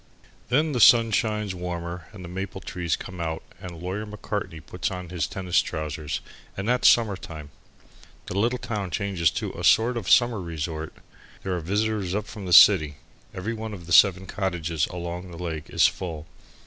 Then the sun shines warmer and the maple trees come out and Lawyer Macartney puts on his tennis trousers, and that's summer time. The little town changes to a sort of summer resort. There are visitors up from the city. Every one of the seven cottages along the lake is full.